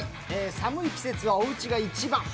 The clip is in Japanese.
寒い季節はおうちが一番。